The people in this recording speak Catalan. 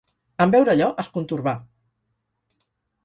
En veure allò, es contorbà.